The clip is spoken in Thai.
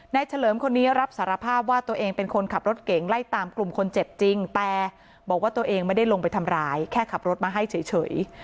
เฉลิมคนนี้รับสารภาพว่าตัวเองเป็นคนขับรถเก่งไล่ตามกลุ่มคนเจ็บจริงแต่บอกว่าตัวเองไม่ได้ลงไปทำร้ายแค่ขับรถมาให้เฉย